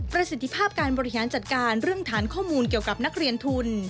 ประสิทธิภาพการบริหารจัดการเรื่องฐานข้อมูลเกี่ยวกับนักเรียนทุน